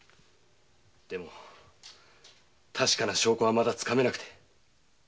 でも確かな証拠はまだつかめなくて。